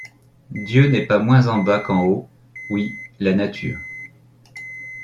Dieu n’est pas moins en bas qu’en haut ; oui, la nature